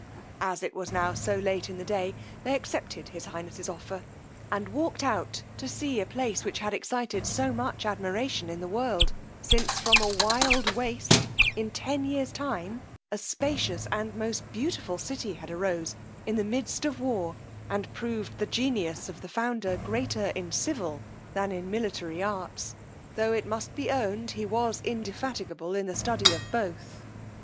As it was now so late in the day, they accepted his highness's offer, and walked out to see a place which had excited so much admiration in the world, since from a wild waste, in ten years time, a spacious and most beautiful city had arose in the midst of war, and proved the genius of the founder greater in civil than in military arts, tho' it must be owned he was indefatigable in the study of both.